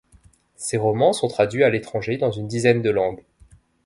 Ses romans sont traduits à l'étranger, dans une dizaine de langues.